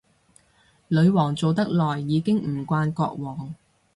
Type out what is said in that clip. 女皇做得耐，已經唔慣國王